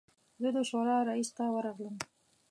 زه د شورا رییس ته ورغلم.